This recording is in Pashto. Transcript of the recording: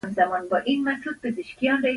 سرچینه اخیستې ده.